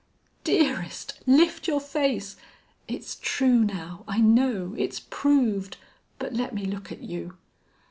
"Dearest!... Lift your face.... It's true now. I know. It's proved. But let me look at you."